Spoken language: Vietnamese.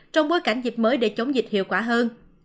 trong bối cảnh dịp mới để chống dịch hiệu quả hơn